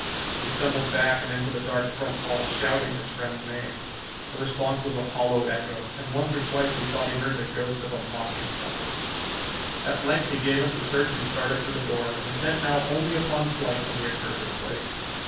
He stumbled back and into the dark front hall, shouting his friend's name. The response was a hollow echo, and once or twice he thought he heard the ghost of a mocking chuckle. At length he gave up the search and started for the door, intent now only upon flight from the accursed place.